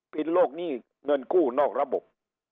เป็นโรคหนี้เงินกู้นอกระบบ